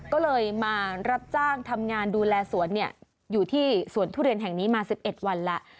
ก็เลยมารับจ้างทำงานดูแลสวนอยู่ที่สวนทุเรียนแห่งนี้มา๑๑วันแล้ว